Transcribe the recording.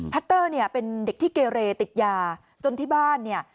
ตเตอร์เนี่ยเป็นเด็กที่เกเรติดยาจนที่บ้านเนี่ย